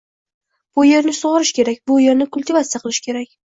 “Bu yerni sug‘orish kerak, bu yerni kultivatsiya qilish kerak